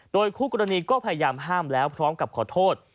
โดยคู่กรณีก็พยายามห้ามแล้วพร้อมกับขอโทษ